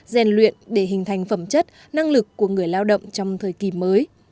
gian luyện để hình thành phẩm chất năng lực của người lao động trong thời kỳ mới